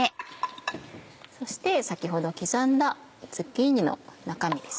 そして先ほど刻んだズッキーニの中身です。